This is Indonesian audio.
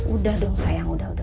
udah dong sayang udah